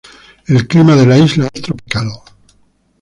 El clima de la isla es tropical.